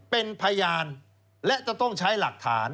เป็นพยานและจะต้องใช้หลักฐาน